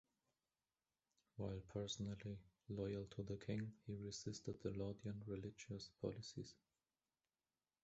While personally loyal to the King, he resisted the Laudian religious policies.